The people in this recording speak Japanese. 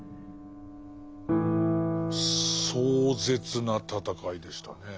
壮絶な戦いでしたねえ。